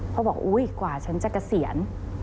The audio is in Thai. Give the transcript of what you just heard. พอบอกกว่าฉันจะเกษียณ